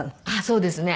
そうですね。